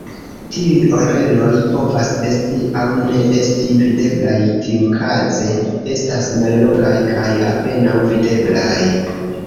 Tiuj "oreloj" povas esti aŭ ne esti videblaj, tiukaze estas mallongaj kaj apenaŭ videblaj.